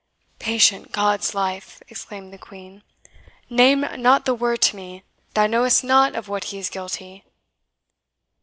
"Patient God's life!" exclaimed the Queen "name not the word to me; thou knowest not of what he is guilty!"